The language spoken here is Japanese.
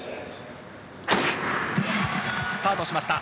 スタートしました。